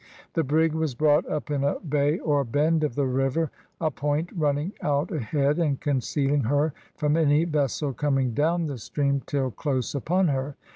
The brig was brought up in a bay or bend of the river, a point running out ahead, and concealing her from any vessel coming down the stream till close upon her.